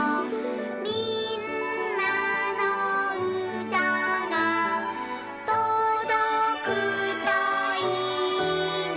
「みんなのうたがとどくといいな」